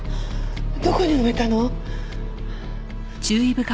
どこに埋めたの？